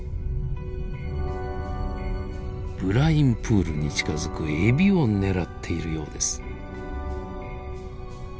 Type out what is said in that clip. ブラインプールに近づくエビを狙っているようです。